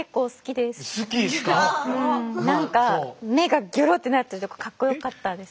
なんか目がギョロってなってるとこかっこよかったんです。